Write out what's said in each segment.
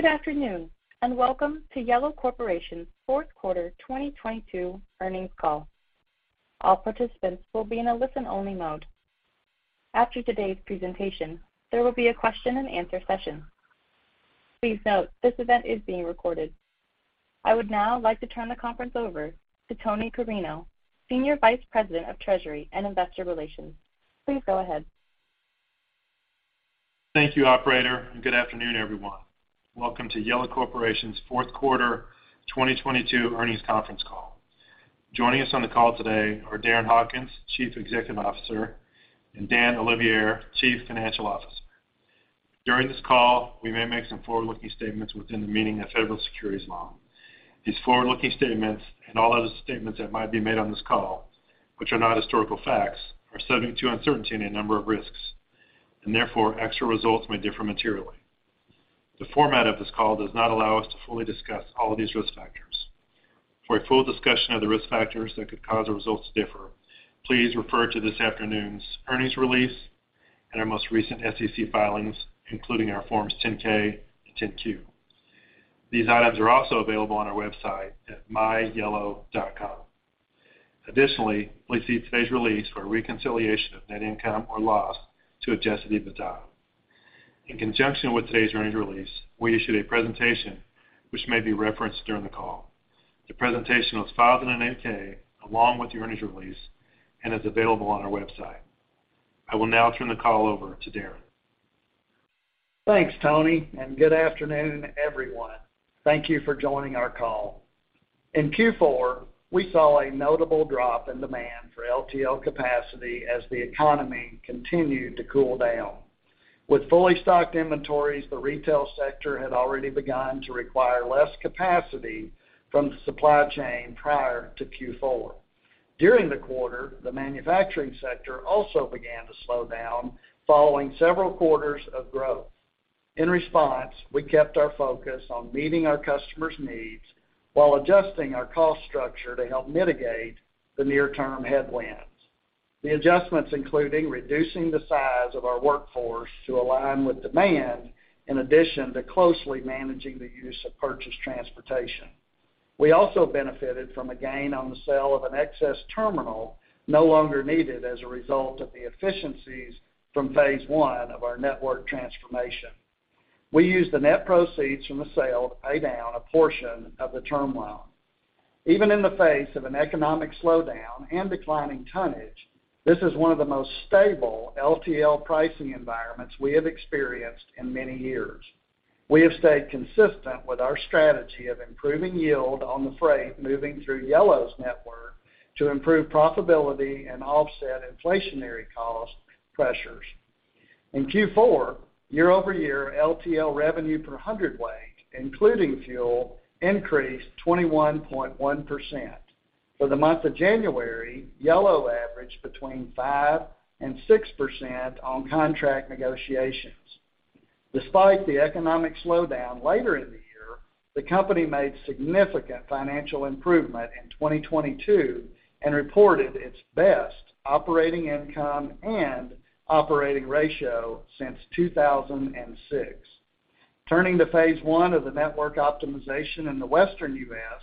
Good afternoon, welcome to Yellow Corporation's fourth quarter 2022 earnings call. All participants will be in a listen-only mode. After today's presentation, there will be a question-and-answer session. Please note this event is being recorded. I would now like to turn the conference over to Tony Carreno, Senior Vice President of Treasury and Investor Relations. Please go ahead. Thank you, operator, and good afternoon, everyone. Welcome to Yellow Corporation's fourth quarter 2022 earnings conference call. Joining us on the call today are Darren Hawkins, Chief Executive Officer, and Dan Olivier, Chief Financial Officer. During this call, we may make some forward-looking statements within the meaning of federal securities law. These forward-looking statements and all other statements that might be made on this call, which are not historical facts, are subject to uncertainty and a number of risks, and therefore, actual results may differ materially. The format of this call does not allow us to fully discuss all of these risk factors. For a full discussion of the risk factors that could cause the results to differ, please refer to this afternoon's earnings release and our most recent SEC filings, including our Forms 10-K and 10-Q. These items are also available on our website at myyellow.com. Additionally, please see today's release for a reconciliation of net income or loss to Adjusted EBITDA. In conjunction with today's earnings release, we issued a presentation which may be referenced during the call. The presentation was filed in an 8-K along with the earnings release and is available on our website. I will now turn the call over to Darren. Thanks, Tony, and good afternoon, everyone. Thank you for joining our call. In Q4, we saw a notable drop in demand for LTL capacity as the economy continued to cool down. With fully stocked inventories, the retail sector had already begun to require less capacity from the supply chain prior to Q4. During the quarter, the manufacturing sector also began to slow down following several quarters of growth. In response, we kept our focus on meeting our customers' needs while adjusting our cost structure to help mitigate the near-term headwinds. The adjustments including reducing the size of our workforce to align with demand, in addition to closely managing the use of purchased transportation. We also benefited from a gain on the sale of an excess terminal no longer needed as a result of the efficiencies from phase I of our network transformation. We used the net proceeds from the sale to pay down a portion of the term loan. Even in the face of an economic slowdown and declining tonnage, this is one of the most stable LTL pricing environments we have experienced in many years. We have stayed consistent with our strategy of improving yield on the freight moving through Yellow's network to improve profitability and offset inflationary cost pressures. In Q4, year-over-year LTL revenue per hundredweight, including fuel, increased 21.1%. For the month of January, Yellow averaged between 5% and 6% on contract negotiations. Despite the economic slowdown later in the year, the company made significant financial improvement in 2022 and reported its best operating income and operating ratio since 2006. Turning to phase I of the network optimization in the Western U.S.,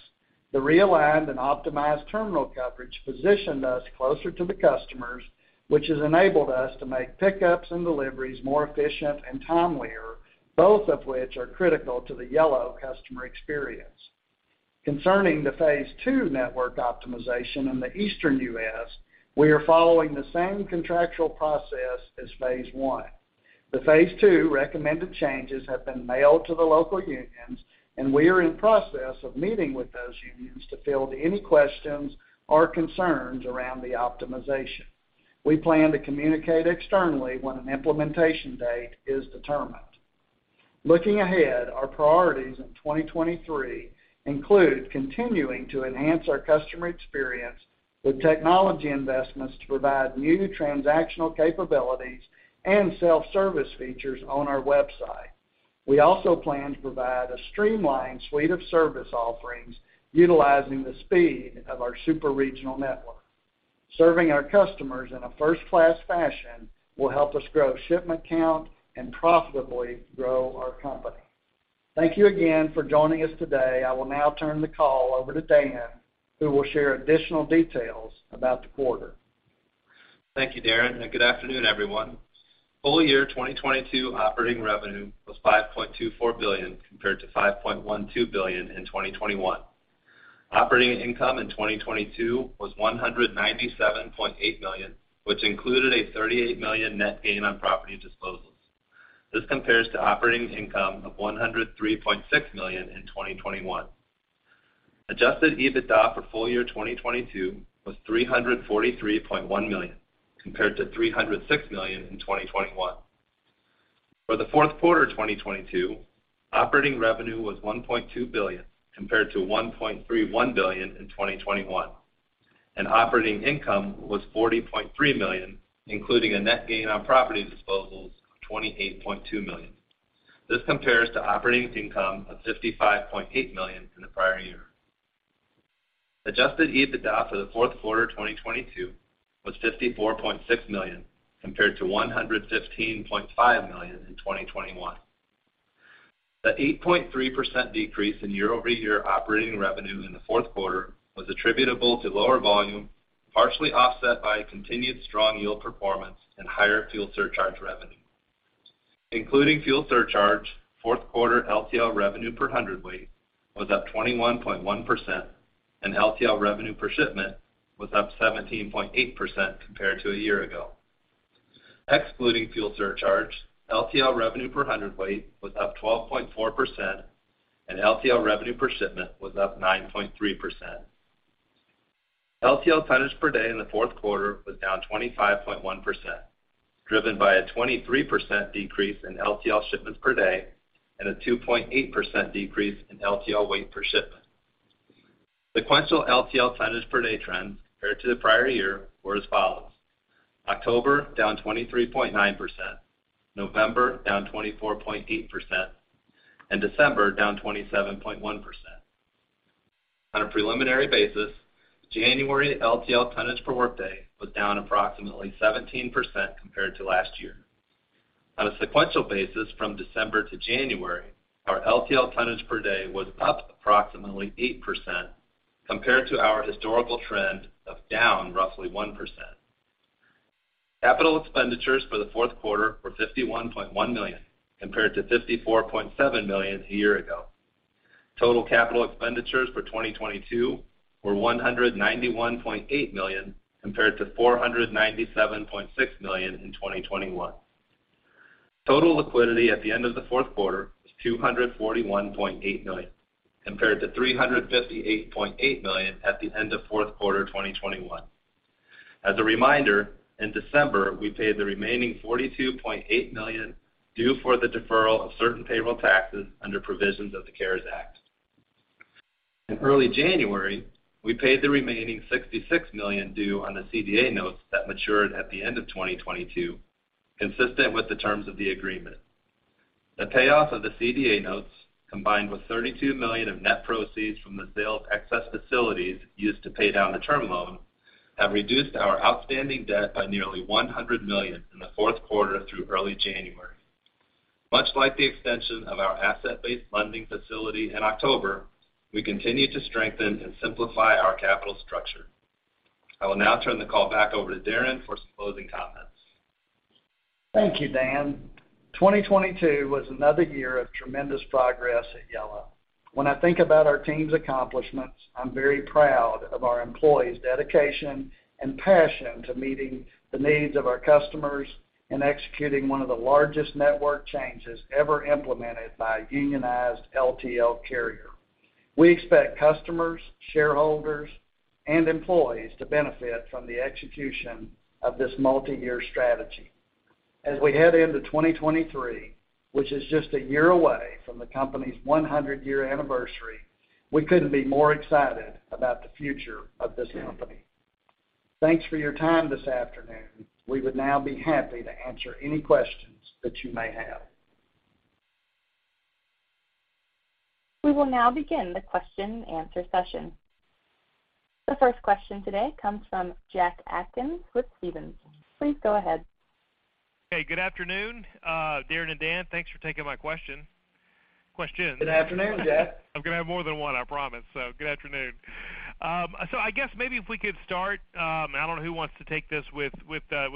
the realigned and optimized terminal coverage positioned us closer to the customers, which has enabled us to make pickups and deliveries more efficient and timelier, both of which are critical to the Yellow customer experience. Concerning the phase II network optimization in the Eastern U.S., we are following the same contractual process as phase I. The phase II recommended changes have been mailed to the local unions, and we are in process of meeting with those unions to field any questions or concerns around the optimization. We plan to communicate externally when an implementation date is determined. Looking ahead, our priorities in 2023 include continuing to enhance our customer experience with technology investments to provide new transactional capabilities and self-service features on our website. We also plan to provide a streamlined suite of service offerings utilizing the speed of our super-regional network. Serving our customers in a first-class fashion will help us grow shipment count and profitably grow our company. Thank you again for joining us today. I will now turn the call over to Dan, who will share additional details about the quarter. Thank you, Darren, and good afternoon, everyone. Full year 2022 operating revenue was $5.24 billion compared to $5.12 billion in 2021. Operating income in 2022 was $197.8 million, which included a $38 million net gain on property disposals. This compares to operating income of $103.6 million in 2021. Adjusted EBITDA for full year 2022 was $343.1 million, compared to $306 million in 2021. For the fourth quarter 2022, operating revenue was $1.2 billion compared to $1.31 billion in 2021, and operating income was $40.3 million, including a net gain on property disposals of $28.2 million. This compares to operating income of $55.8 million in the prior year. Adjusted EBITDA for the fourth quarter 2022 was $54.6 million, compared to $115.5 million in 2021. The 8.3% decrease in year-over-year operating revenue in the fourth quarter was attributable to lower volume, partially offset by a continued strong yield performance and higher fuel surcharge revenue. Including fuel surcharge, fourth quarter LTL revenue per hundredweight was up 21.1%, and LTL revenue per shipment was up 17.8% compared to a year ago. Excluding fuel surcharge, LTL revenue per hundredweight was up 12.4%, and LTL revenue per shipment was up 9.3%. LTL tonnage per day in the fourth quarter was down 25.1%, driven by a 23% decrease in LTL shipments per day and a 2.8% decrease in LTL weight per shipment. Sequential LTL tonnage per day trends compared to the prior year were as follows. October, down 23.9%. November, down 24.8%. December, down 27.1%. On a preliminary basis, January LTL tonnage per workday was down approximately 17% compared to last year. On a sequential basis from December to January, our LTL tonnage per day was up approximately 8% compared to our historical trend of down roughly 1%. Capital expenditures for the fourth quarter were $51.1 million compared to $54.7 million a year ago. Total capital expenditures for 2022 were $191.8 million compared to $497.6 million in 2021. Total liquidity at the end of the fourth quarter was $241.8 million compared to $358.8 million at the end of fourth quarter 2021. As a reminder, in December, we paid the remaining $42.8 million due for the deferral of certain payroll taxes under provisions of the CARES Act. In early January, we paid the remaining $66 million due on the CDA notes that matured at the end of 2022, consistent with the terms of the agreement. The payoff of the CDA notes, combined with $32 million of net proceeds from the sale of excess facilities used to pay down the term loan, have reduced our outstanding debt by nearly $100 million in the fourth quarter through early January. Much like the extension of our asset-based lending facility in October, we continue to strengthen and simplify our capital structure. I will now turn the call back over to Darren for some closing comments. Thank you, Dan. 2022 was another year of tremendous progress at Yellow. When I think about our team's accomplishments, I'm very proud of our employees' dedication and passion to meeting the needs of our customers and executing one of the largest network changes ever implemented by a unionized LTL carrier. We expect customers, shareholders, and employees to benefit from the execution of this multiyear strategy. As we head into 2023, which is just a year away from the company's 100-year anniversary, we couldn't be more excited about the future of this company. Thanks for your time this afternoon. We would now be happy to answer any questions that you may have. We will now begin the question and answer session. The first question today comes from Jack Atkins with Stephens. Please go ahead. Hey, good afternoon, Darren and Dan. Thanks for taking my question. Questions. Good afternoon, Jack. I'm gonna have more than one, I promise. Good afternoon. I guess maybe if we could start, I don't know who wants to take this with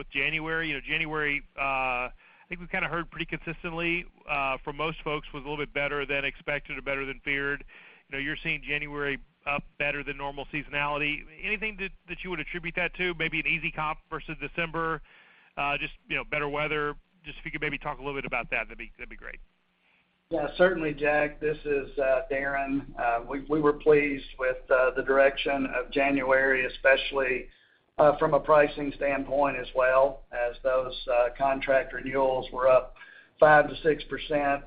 January. You know January, I think we kind of heard pretty consistently, from most folks was a little bit better than expected or better than feared. You know, you're seeing January up better than normal seasonality. Anything that you would attribute that to? Maybe an easy comp versus December, just you know better weather. If you could maybe talk a little bit about that'd be great. Yeah, certainly Jack. This is Darren. We were pleased with the direction of January, especially from a pricing standpoint as well, as those contract renewals were up 5%-6%.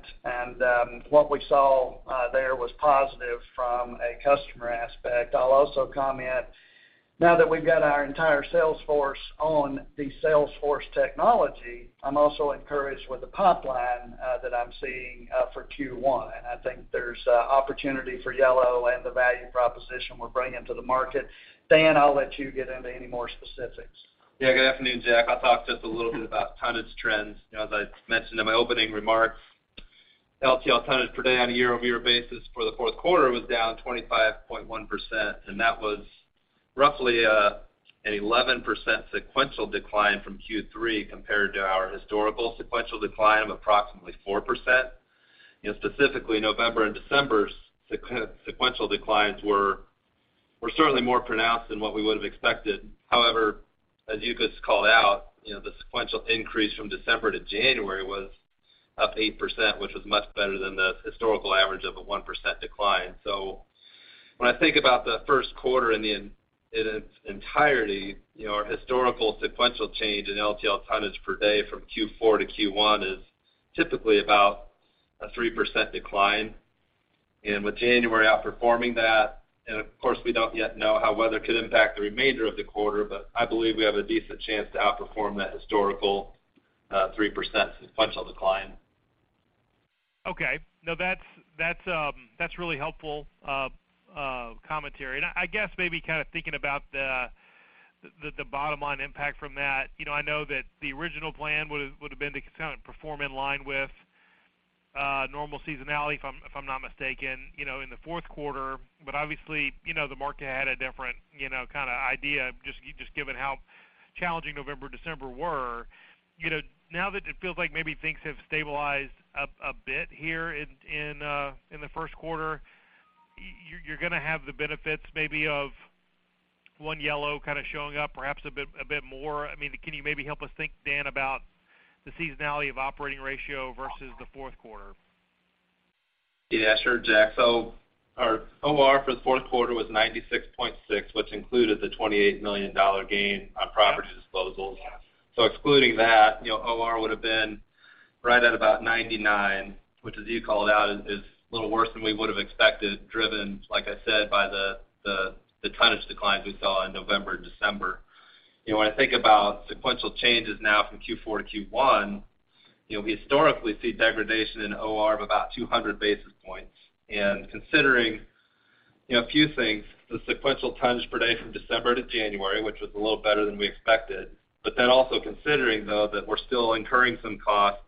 What we saw there was positive from a customer aspect. I'll also comment, now that we've got our entire sales force on the Salesforce technology, I'm also encouraged with the pipeline that I'm seeing for Q1, and I think there's opportunity for Yellow and the value proposition we're bringing to the market. Dan, I'll let you get into any more specifics. Good afternoon, Jack. I'll talk just a little bit about tonnage trends. You know, as I mentioned in my opening remarks, LTL tonnage per day on a year-over-year basis for the fourth quarter was down 25.1%, and that was roughly an 11% sequential decline from Q3 compared to our historical sequential decline of approximately 4%. You know, specifically November and December's sequential declines were certainly more pronounced than what we would have expected. However, as you just called out you know the sequential increase from December to January was up 8%, which was much better than the historical average of a 1% decline. When I think about the first quarter in its entirety you know our historical sequential change in LTL tonnage per day from Q4 to Q1 is typically about a 3% decline. With January outperforming that, and of course, we don't yet know how weather could impact the remainder of the quarter, but I believe we have a decent chance to outperform that historical, 3% sequential decline. Okay. No, that's really helpful commentary. I guess maybe kind of thinking about the bottom-line impact from that. You know, I know that the original plan would have been to kind of perform in line with normal seasonality, if I'm not mistaken you know in the fourth quarter. Obviously you know the market had a different you know kind of idea, just given how challenging November, December were. You know, now that it feels like maybe things have stabilized a bit here in the first quarter, you're gonna have the benefits maybe of One Yellow kind of showing up perhaps a bit more. I mean, can you maybe help us think, Dan, about the seasonality of operating ratio versus the fourth quarter? Yeah, sure, Jack. Our OR for the fourth quarter was 96.6, which included the $28 million gain on property disposals. Excluding that you know OR would have been right at about 99, which as you called out, is a little worse than we would have expected, driven, like I said, by the tonnage declines we saw in November, December. You know, when I think about sequential changes now from Q4 to Q1 you know we historically see degradation in OR of about 200 basis points. Considering you know a few things, the sequential tonnage per day from December to January, which was a little better than we expected. Also considering though that we're still incurring some costs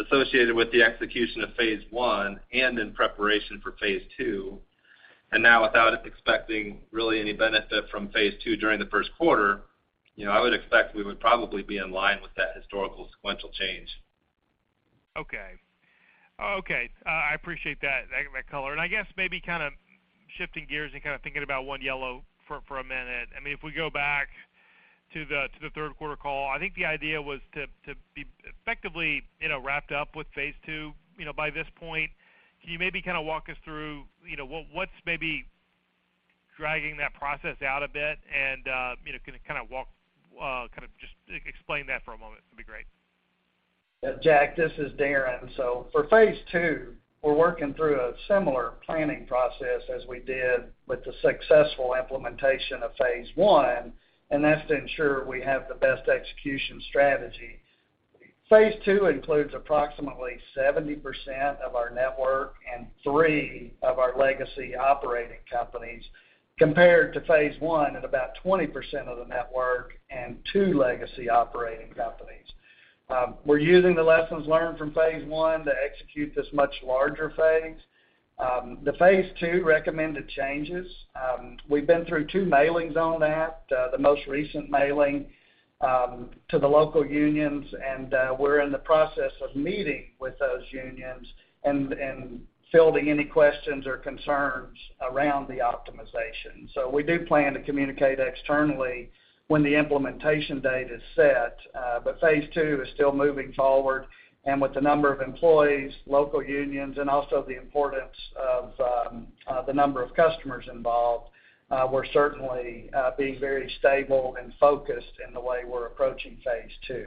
associated with the execution of phase I and in preparation for phase II, and now without expecting really any benefit from phase II during the first quarter, you know I would expect we would probably be in line with that historical sequential change. Okay. I appreciate that color. I guess maybe kind of shifting gears and kind of thinking about One Yellow for a minute. I mean, if we go back to the third quarter call, I think the idea was to be effectively, you know, wrapped up with phase II, you know, by this point. Can you maybe kind of walk us through, you know, what's maybe dragging that process out a bit and, you know, can you kind of walk, kind of just explain that for a moment? It'd be great. Jack, this is Darren. For phase II, we're working through a similar planning process as we did with the successful implementation of phase I, and that's to ensure we have the best execution strategy. Phase II includes approximately 70% of our network and three of our legacy operating companies, compared to phase I at about 20% of the network and two legacy operating companies. We're using the lessons learned from phase I to execute this much larger phase. The phase II recommended changes, we've been through two mailings on that. The most recent mailing to the local unions, and we're in the process of meeting with those unions and fielding any questions or concerns around the optimization. We do plan to communicate externally when the implementation date is set. Phase II is still moving forward. With the number of employees, local unions, and also the importance of the number of customers involved, we're certainly being very stable and focused in the way we're approaching phase II.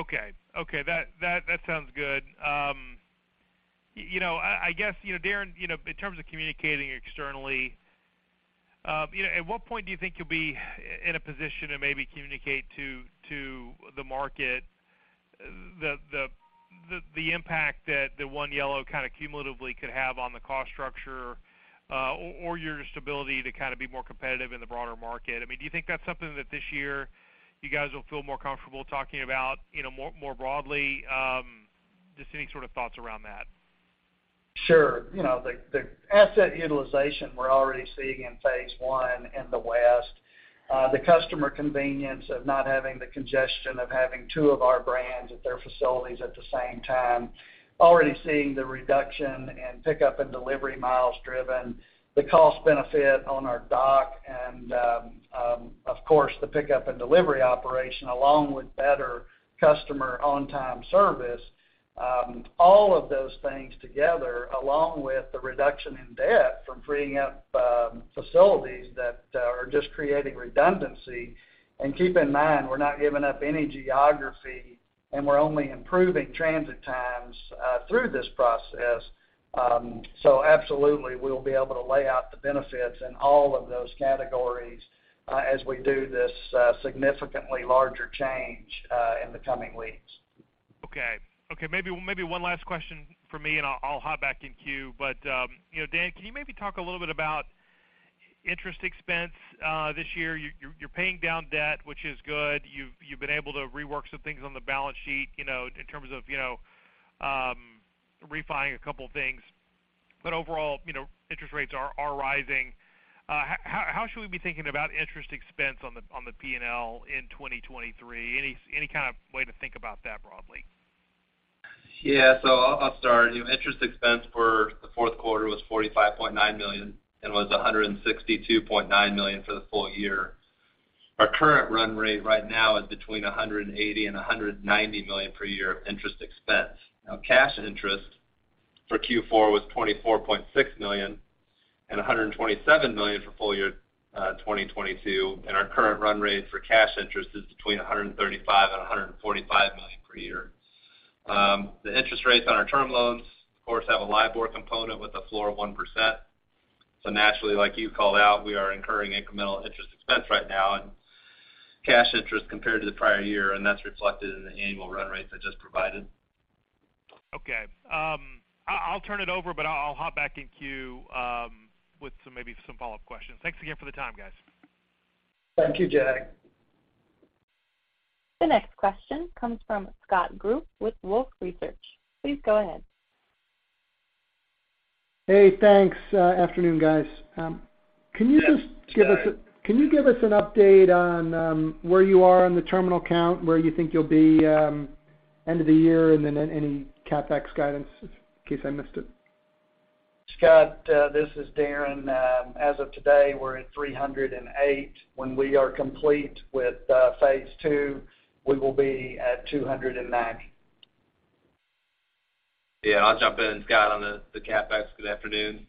Okay. Okay, that sounds good. You know, I guess, you know, Darren, you know, in terms of communicating externally, you know, at what point do you think you'll be in a position to maybe communicate to the market the impact that the One Yellow kind of cumulatively could have on the cost structure, or your stability to kind of be more competitive in the broader market? I mean, do you think that's something that this year you guys will feel more comfortable talking about, you know, more broadly? Just any sort of thoughts around that. Sure. You know, the asset utilization we're already seeing in phase I in the West, the customer convenience of not having the congestion of having two of our brands at their facilities at the same time, already seeing the reduction in pickup and delivery miles driven, the cost benefit on our dock and, of course, the pickup and delivery operation, along with better customer on-time service. All of those things together, along with the reduction in debt from freeing up facilities that are just creating redundancy. Keep in mind, we're not giving up any geography, and we're only improving transit times through this process. Absolutely, we'll be able to lay out the benefits in all of those categories, as we do this significantly larger change in the coming weeks. Okay. Maybe one last question from me, and I'll hop back in queue. You know, Dan, can you maybe talk a little bit about interest expense this year? You're paying down debt, which is good. You've been able to rework some things on the balance sheet, you know, in terms of, you know, refining a couple of things. Overall, you know, interest rates are rising. How should we be thinking about interest expense on the, on the P&L in 2023? Any kind of way to think about that broadly? I'll start. Interest expense for the fourth quarter was $45.9 million and was $162.9 million for the full year. Our current run rate right now is between $180 million and $190 million per year of interest expense. Cash interest for Q4 was $24.6 million and $127 million for full year 2022, and our current run rate for cash interest is between $135 million and $145 million per year. The interest rates on our term loans, of course, have a LIBOR component with a floor of 1%. Naturally, like you called out, we are incurring incremental interest expense right now and cash interest compared to the prior year, and that's reflected in the annual run rates I just provided. Okay. I'll turn it over, but I'll hop back in queue, with some maybe some follow-up questions. Thanks again for the time, guys. Thank you, Jack. The next question comes from Scott Group with Wolfe Research. Please go ahead. Hey, thanks. Afternoon, guys. Can you just give us. Yes, Scott. Can you give us an update on where you are on the terminal count, where you think you'll be end of the year, any CapEx guidance in case I missed it? Scott, this is Darren. As of today, we're at 308. When we are complete with phase II, we will be at 290. Yeah. I'll jump in, Scott, on the CapEx. Good afternoon.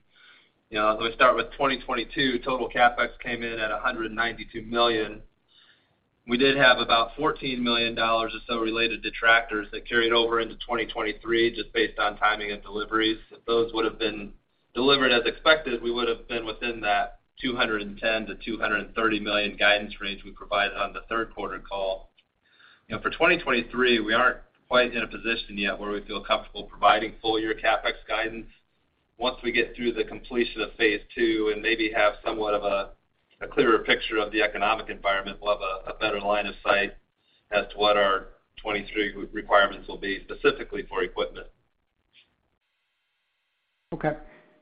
You know, let me start with 2022, total CapEx came in at $192 million. We did have about $14 million or so related to tractors that carried over into 2023, just based on timing and deliveries. If those would have been delivered as expected, we would have been within that $210 million-$230 million guidance range we provided on the 3rd quarter call. For 2023, we aren't quite in a position yet where we feel comfortable providing full year CapEx guidance. Once we get through the completion of phase II and maybe have somewhat of a clearer picture of the economic environment, we'll have a better line of sight as to what our '23 requirements will be specifically for equipment. Okay.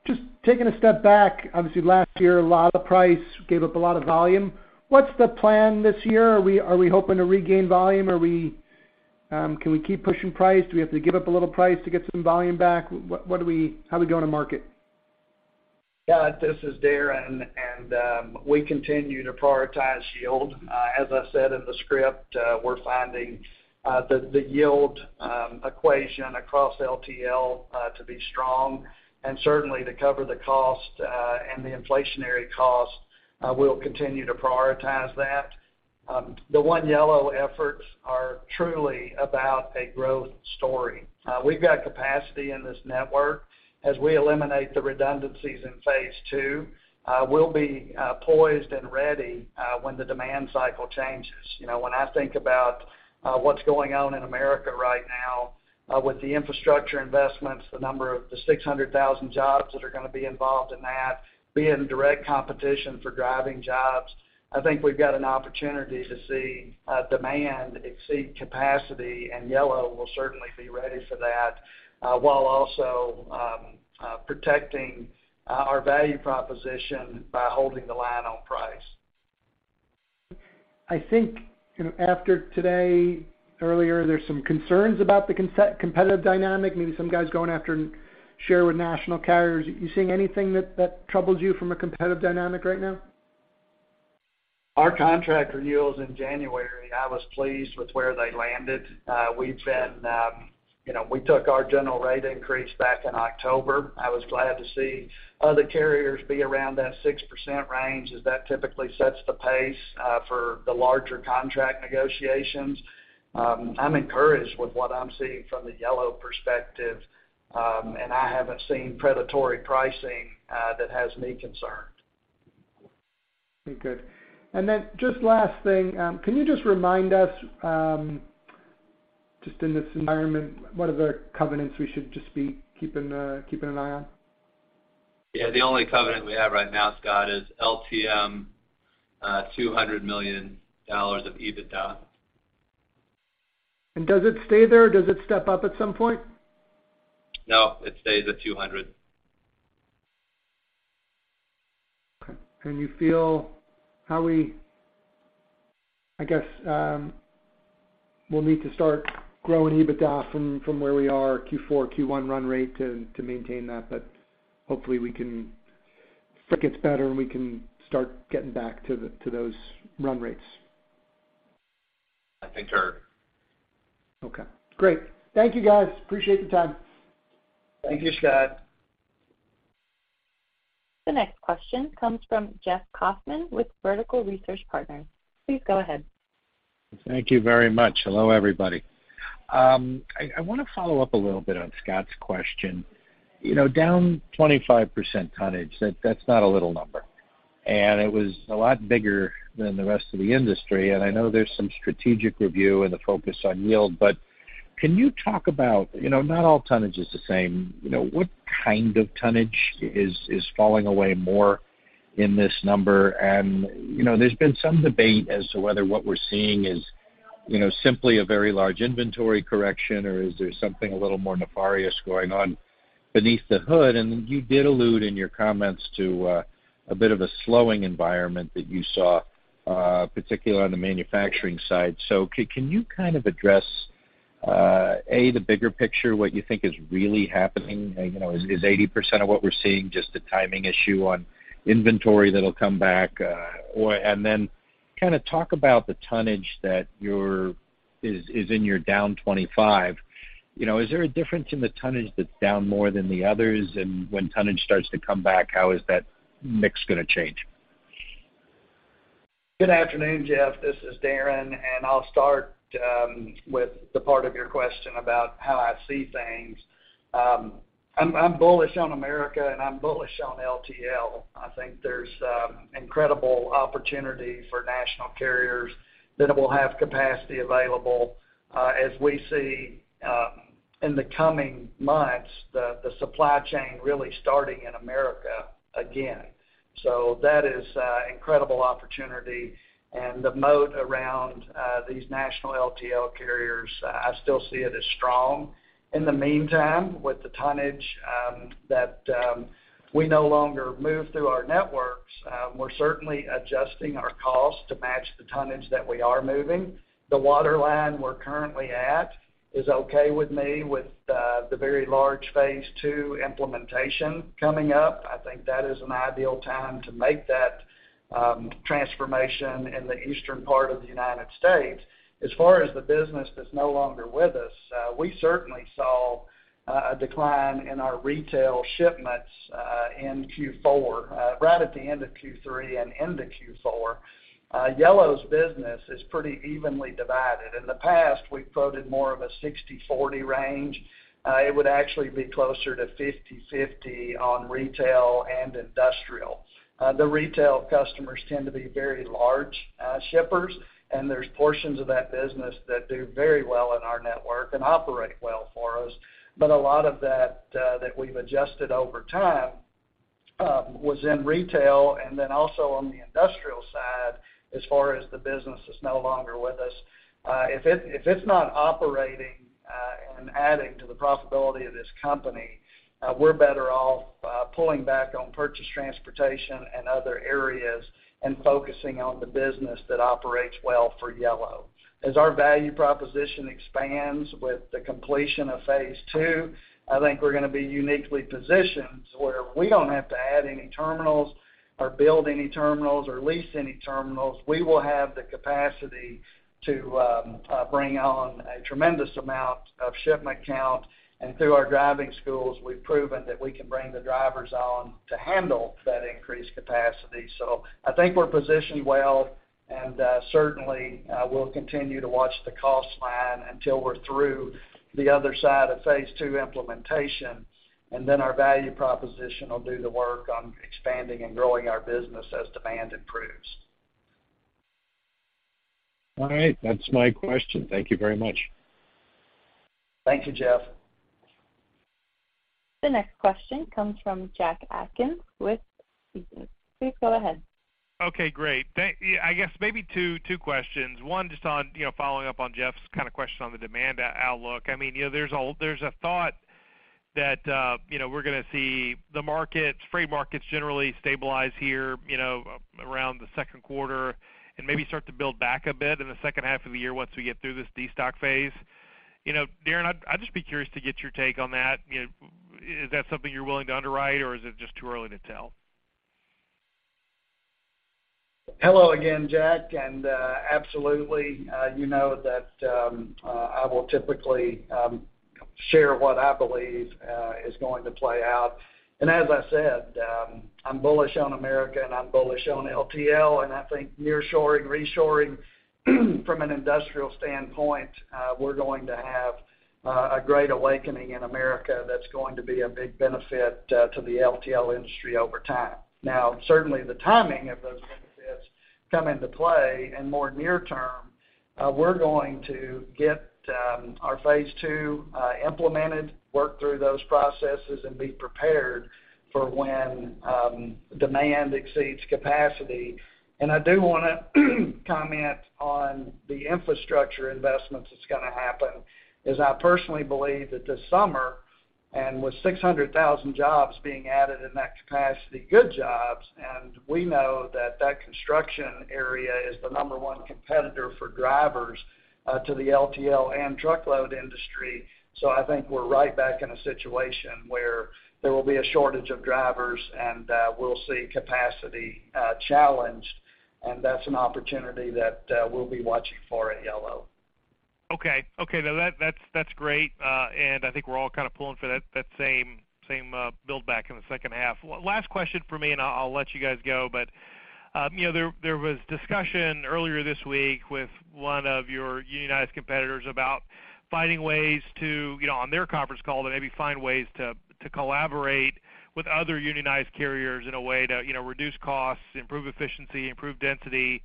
Just taking a step back, obviously last year, a lot of price gave up a lot of volume. What's the plan this year? Are we hoping to regain volume? Are we, can we keep pushing price? Do we have to give up a little price to get some volume back? What do we-- how are we going to market? Yeah. This is Darren, we continue to prioritize yield. As I said in the script, we're finding the yield equation across LTL to be strong. Certainly to cover the cost and the inflationary cost, we'll continue to prioritize that. The One Yellow efforts are truly about a growth story. We've got capacity in this network. As we eliminate the redundancies in phase II, we'll be poised and ready when the demand cycle changes. You know, when I think about what's going on in America right now, with the infrastructure investments, the number of the 600,000 jobs that are gonna be involved in that be in direct competition for driving jobs, I think we've got an opportunity to see demand exceed capacity. Yellow will certainly be ready for that, while also protecting our value proposition by holding the line on price. I think, you know, after today, earlier, there's some concerns about the competitive dynamic, maybe some guys going after share with national carriers. You seeing anything that troubles you from a competitive dynamic right now? Our contract renewals in January, I was pleased with where they landed. We've been, you know, we took our general rate increase back in October. I was glad to see other carriers be around that 6% range as that typically sets the pace for the larger contract negotiations. I'm encouraged with what I'm seeing from the Yellow perspective, and I haven't seen predatory pricing that has me concerned. Okay, good. Just last thing, can you just remind us, just in this environment, what other covenants we should just be keeping an eye on? Yeah. The only covenant we have right now, Scott, is LTM, $200 million of EBITDA. Does it stay there or does it step up at some point? No, it stays at $200. Okay. You feel how we... I guess, we'll need to start growing EBITDA from where we are Q4, Q1 run rate to maintain that, but hopefully if it gets better, we can start getting back to those run rates. I think they're. Okay, great. Thank you, guys. Appreciate the time. Thank you, Scott. The next question comes from Jeff Kauffman with Vertical Research Partners. Please go ahead. Thank you very much. Hello, everybody. I wanna follow up a little bit on Scott's question. You know, down 25% tonnage, that's not a little number, and it was a lot bigger than the rest of the industry. I know there's some strategic review and the focus on yield, but can you talk about, you know, not all tonnage is the same. You know, what kind of tonnage is falling away more in this number? You know, there's been some debate as to whether what we're seeing is, you know, simply a very large inventory correction or is there something a little more nefarious going on beneath the hood? You did allude in your comments to a bit of a slowing environment that you saw, particularly on the manufacturing side. Can you kind of address, A, the bigger picture, what you think is really happening? You know, is 80% of what we're seeing just a timing issue on inventory that'll come back? Then kinda talk about the tonnage that is in your down 25. You know, is there a difference in the tonnage that's down more than the others? When tonnage starts to come back, how is that mix gonna change? Good afternoon, Jeff. This is Darren, I'll start with the part of your question about how I see things. I'm bullish on America, I'm bullish on LTL. I think there's incredible opportunity for national carriers that will have capacity available as we see in the coming months, the supply chain really starting in America again. That is incredible opportunity and the moat around these national LTL carriers, I still see it as strong. In the meantime, with the tonnage that we no longer move through our networks, we're certainly adjusting our costs to match the tonnage that we are moving. The water line we're currently at is okay with me with the very large phase II implementation coming up. I think that is an ideal time to make that transformation in the eastern part of the United States. As far as the business that's no longer with us, we certainly saw a decline in our retail shipments in Q4. Right at the end of Q3 and into Q4, Yellow's business is pretty evenly divided. In the past, we've quoted more of a 60/40 range. It would actually be closer to 50/50 on retail and industrial. The retail customers tend to be very large shippers, and there's portions of that business that do very well in our network and operate well for us. A lot of that that we've adjusted over time, was in retail and then also on the industrial side as far as the business that's no longer with us. If it's not operating, and adding to the profitability of this company, we're better off pulling back on purchased transportation and other areas and focusing on the business that operates well for Yellow. As our value proposition expands with the completion of phase II, I think we're gonna be uniquely positioned where we don't have to add any terminals or build any terminals or lease any terminals. We will have the capacity to bring on a tremendous amount of shipment count. Through our driving schools, we've proven that we can bring the drivers on to handle that increased capacity. I think we're positioned well, and certainly, we'll continue to watch the cost line until we're through the other side of phase II implementation. Our value proposition will do the work on expanding and growing our business as demand improves. All right. That's my question. Thank you very much. Thank you, Jeff. The next question comes from Jack Atkins. Okay, great. Yeah, I guess maybe two questions. One, just on, you know, following up on Jeff's kind of question on the demand outlook. I mean, you know, there's a thought that, you know, we're gonna see the markets, free markets generally stabilize here, you know, around the second quarter and maybe start to build back a bit in the second half of the year once we get through this destock phase. You know, Darren, I'd just be curious to get your take on that. You know, is that something you're willing to underwrite, or is it just too early to tell? Hello again, Jack. Absolutely, you know that I will typically share what I believe is going to play out. As I said, I'm bullish on America and I'm bullish on LTL, and I think nearshoring, reshoring, from an industrial standpoint, we're going to have a great awakening in America that's going to be a big benefit to the LTL industry over time. Now, certainly, the timing of those benefits come into play. More near term, we're going to get our phase II implemented, work through those processes and be prepared for when demand exceeds capacity. I do wanna comment on the infrastructure investments that's gonna happen, is I personally believe that this summer, and with 600,000 jobs being added in that capacity, good jobs, and we know that that construction area is the number one competitor for drivers, to the LTL and truckload industry. I think we're right back in a situation where there will be a shortage of drivers and, we'll see capacity, challenged, and that's an opportunity that, we'll be watching for at Yellow. Okay, now that's great. I think we're all kind of pulling for that same build back in the second half. Last question from me, and I'll let you guys go. You know, there was discussion earlier this week with one of your unionized competitors about finding ways to, you know, on their conference call, to maybe find ways to collaborate with other unionized carriers in a way to, you know, reduce costs, improve efficiency, improve density,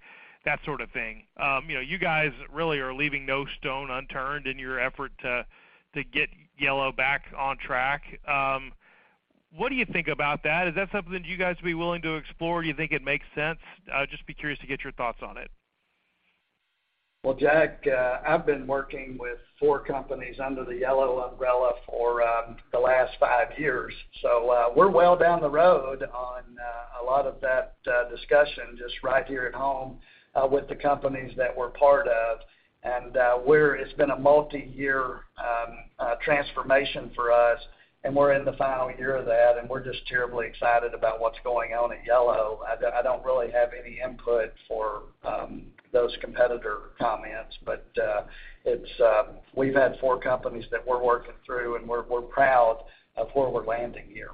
that sort of thing. You know, you guys really are leaving no stone unturned in your effort to get Yellow back on track. What do you think about that? Is that something that you guys would be willing to explore? Do you think it makes sense? I'd just be curious to get your thoughts on it. Well, Jack, I've been working with four companies under the Yellow umbrella for the last five years. We're well down the road on a lot of that discussion just right here at home with the companies that we're part of. It's been a multi-year transformation for us, and we're in the final year of that, and we're just terribly excited about what's going on at Yellow. I don't really have any input for those competitor comments, but it's... We've had four companies that we're working through, and we're proud of where we're landing here.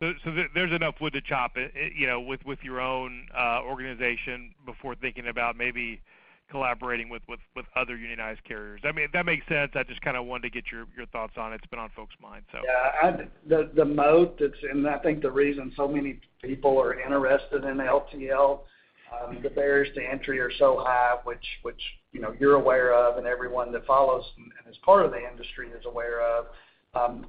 There's enough wood to chop, you know, with your own organization before thinking about maybe collaborating with other unionized carriers. I mean, that makes sense. I just kinda wanted to get your thoughts on it. It's been on folks' minds, so. Yeah. The moat that's in, I think the reason so many people are interested in LTL, the barriers to entry are so high, which, you know, you're aware of and everyone that follows and is part of the industry is aware of.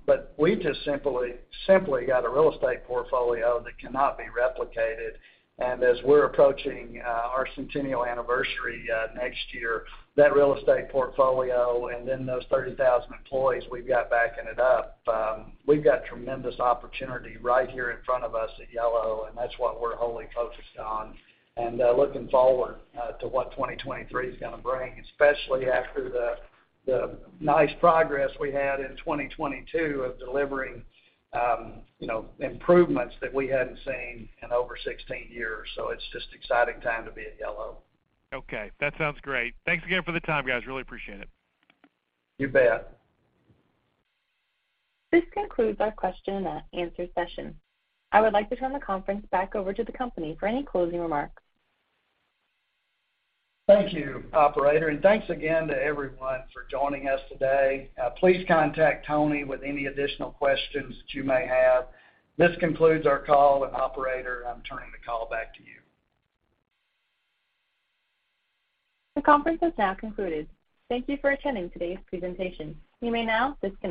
But we just simply got a real estate portfolio that cannot be replicated. As we're approaching our centennial anniversary next year, that real estate portfolio and then those 30,000 employees we've got backing it up, we've got tremendous opportunity right here in front of us at Yellow, and that's what we're wholly focused on. Looking forward to what 2023 is gonna bring, especially after the nice progress we had in 2022 of delivering, you know, improvements that we hadn't seen in over 16 years. It's just exciting time to be at Yellow. Okay, that sounds great. Thanks again for the time, guys. Really appreciate it. You bet. This concludes our question and answer session. I would like to turn the conference back over to the company for any closing remarks. Thank you, Operator, and thanks again to everyone for joining us today. Please contact Tony with any additional questions that you may have. This concludes our call. Operator, I'm turning the call back to you. The conference has now concluded. Thank you for attending today's presentation. You may now disconnect.